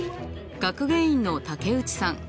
学芸員の武内さん